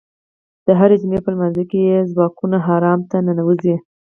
د هرې جمعې په لمانځه کې یې ځواکونه حرم ته ننوځي.